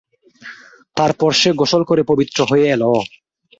তারপর সে গোসল করে পবিত্র হয়ে এল।